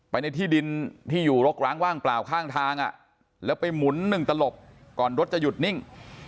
ในที่ดินที่อยู่รกร้างว่างเปล่าข้างทางแล้วไปหมุนหนึ่งตลบก่อนรถจะหยุดนิ่ง